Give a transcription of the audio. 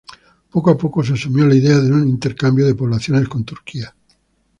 Poco a poco se asumió la idea de un intercambio de poblaciones con Turquía.